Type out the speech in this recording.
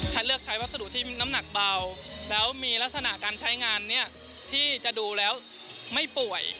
เลือกใช้วัสดุที่น้ำหนักเบาแล้วมีลักษณะการใช้งานเนี่ยที่จะดูแล้วไม่ป่วย